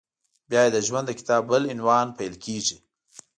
بیا یې د ژوند د کتاب بل عنوان پیل کېږي…